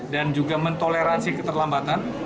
dan juga mentoleransi keterlambatan